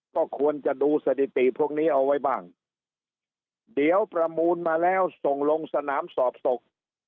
ก็ควรจะดูสถิติพวกนี้เอาไว้บ้างเดี๋ยวประมูลมาแล้วส่งลงสนามสอบตก